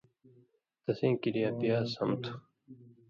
تسیں کریا پیاز سم تُھو۔